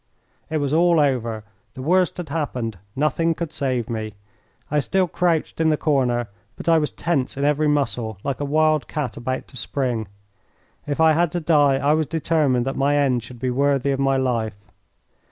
It was all over. The worst had happened. Nothing could save me. I still crouched in the corner, but I was tense in every muscle, like a wild cat about to spring. If I had to die I was determined that my end should be worthy of my life.